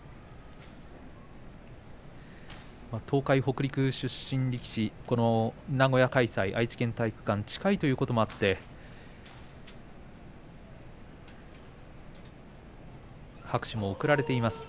東海、北陸出身力士名古屋開催、愛知県体育館近いということもあって拍手も送られています。